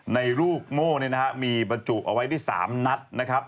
ในลูกโม้นี้มีบรรจุเอาไว้ที่๓นัท